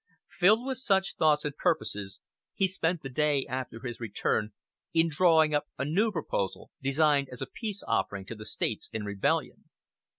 Filled with such thoughts and purposes he spent the day after his return in drawing up a new proposal designed as a peace offering to the States in rebellion.